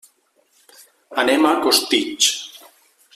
Anem a Costitx.